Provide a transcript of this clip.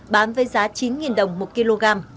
bán với giá chín đồng một kg